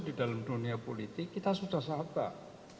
di dalam dunia politik kita sudah sahabat